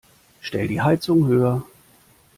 Stell die Heizung höher.